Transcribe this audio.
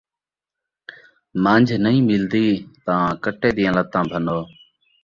من٘جھ نئیں ملدی تاں کٹے دیاں لتّاں بھنّو